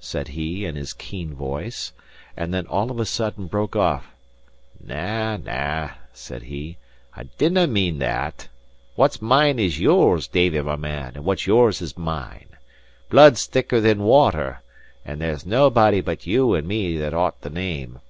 said he, in his keen voice, and then all of a sudden broke off. "Na, na," said he, "I didnae mean that. What's mine is yours, Davie, my man, and what's yours is mine. Blood's thicker than water; and there's naebody but you and me that ought the name."